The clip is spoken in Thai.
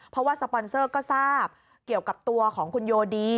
เพราะว่าสปอนเซอร์ก็ทราบเกี่ยวกับตัวของคุณโยดี